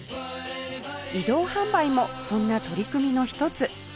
移動販売もそんな取り組みの一つ